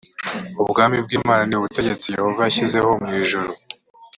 ubwami bw imana ni ubutegetsi yehova yashyizeho mu ijuru